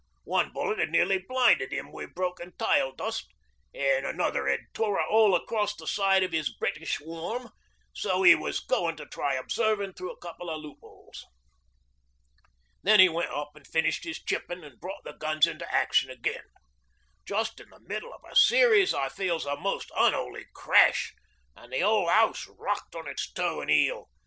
One bullet 'ad nearly blinded 'im wi' broken tile dust, an' another 'ad tore a hole across the side of 'is "British warm"; so he was goin' to try observin' through a couple of loopholes. Then 'e went up an' finished 'is chippin' an' brought the guns into action again. Just in the middle o' a series I feels a most unholy crash, an' the whole house rocked on its toe an' heel.